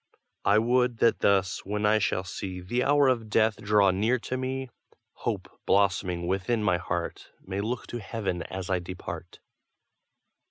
I would that thus, when I shall see The hour of death draw near to me, Hope, blossoming within my heart, May look to heaven as I depart.